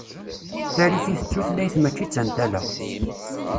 Tarifit d tutlayt mačči d tantala.